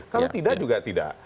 kalau tidak juga tidak